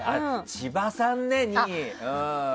千葉さんね、２位。